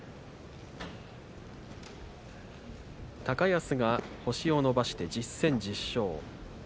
高安が星を伸ばして１０戦１０勝。